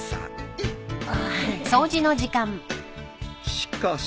しかし。